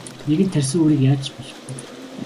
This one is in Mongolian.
Нэгэнт тарьсан үрийг яаж ч болохгүй.